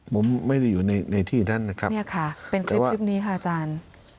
ผมไม่ได้อยู่ในที่นั้นนะครับเนี่ยค่ะเป็นคลิปนี้ค่ะอาจารย์